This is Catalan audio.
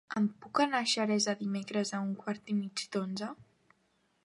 Com puc anar a Xeresa dimecres a un quart i mig d'onze?